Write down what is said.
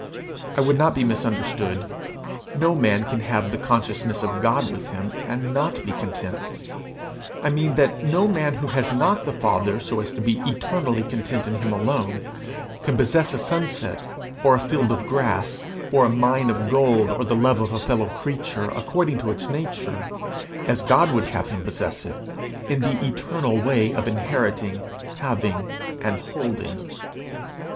I would not be misunderstood: no man can have the consciousness of God with him and not be content; I mean that no man who has not the Father so as to be eternally content in him alone, can possess a sunset or a field of grass or a mine of gold or the love of a fellow creature according to its nature as God would have him possess it in the eternal way of inheriting, having, and holding.